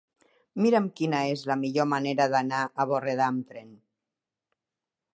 Mira'm quina és la millor manera d'anar a Borredà amb tren.